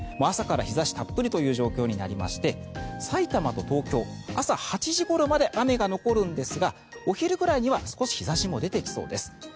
朝から日差したっぷりという状況になりましてさいたまと東京朝８時ごろまで雨が残るんですがお昼くらいには少し日差しも出てきそうです。